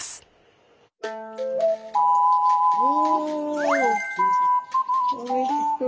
おおいしそう！